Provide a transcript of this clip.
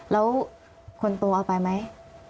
แล้วคนโตเอาไปไหม